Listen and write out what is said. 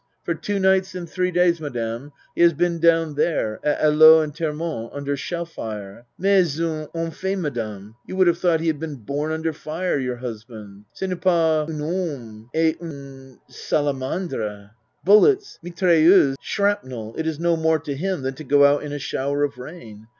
For two nights and three days, Madame, he has been down there at Alost and Termonde under shell fire. Mais un en/er, Madame ! You would have thought he had been born under fire, your husband. Ce n'est pas un homme, c'est un salamandre. Bullets mitrailleuse shrapnel it is no more to him than to go out in a shower of rain.